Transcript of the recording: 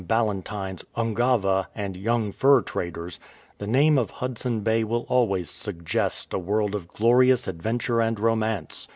Ballantyne''s Ungava and Young Fur Traders, the name of Hudson Bay will always suggest a world of glorious adventure and romance.